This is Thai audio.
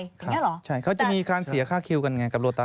อย่างนี้เหรอใช่เขาจะมีการเสียค่าคิวกันไงกับโลตา